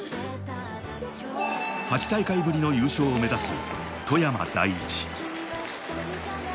８大会ぶりの優勝を目指す、富山第一。